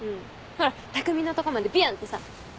ほら匠のとこまでビューンってさ。